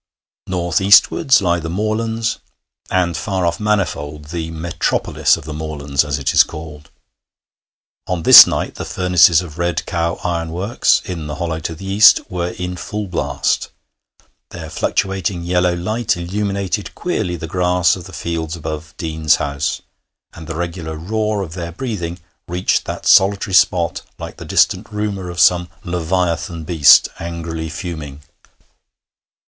North eastwards lie the moorlands, and far off Manifold, the 'metropolis of the moorlands,' as it is called. On this night the furnaces of Red Cow Ironworks, in the hollow to the east, were in full blast; their fluctuating yellow light illuminated queerly the grass of the fields above Deane's house, and the regular roar of their breathing reached that solitary spot like the distant rumour of some leviathan beast angrily fuming.